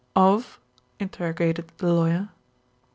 "Of?" interrogated the lawyer.